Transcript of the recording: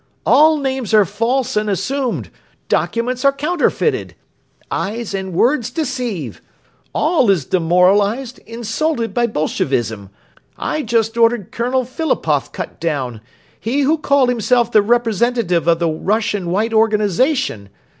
All names are false and assumed; documents are counterfeited. Eyes and words deceive. ... All is demoralized, insulted by Bolshevism. I just ordered Colonel Philipoff cut down, he who called himself the representative of the Russian White Organization.